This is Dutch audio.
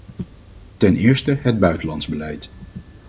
Ten eerste het buitenlands beleid.